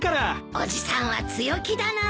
おじさんは強気だなぁ。